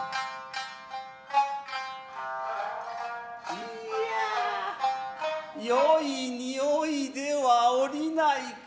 いやぁよい匂いではおりないか。